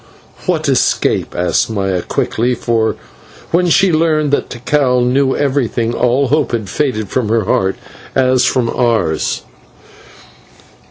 "What escape?" asked Maya quickly, for when she learned that Tikal knew everything, all hope had faded from her heart, as from ours.